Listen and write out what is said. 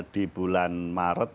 di bulan maret